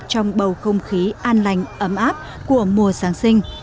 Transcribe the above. trong bầu không khí an lành ấm áp của mùa giáng sinh